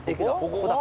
ここだ。